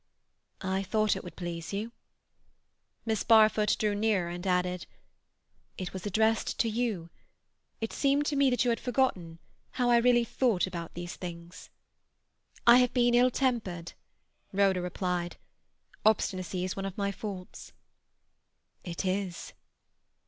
"I thought it would please you." Miss Barfoot drew nearer, and added,— "It was addressed to you. It seemed to me that you had forgotten how I really thought about these things." "I have been ill tempered," Rhoda replied. "Obstinacy is one of my faults." "It is."